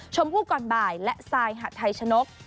ชมพู่ก่อนบ่ายและซายหัดไทยชนก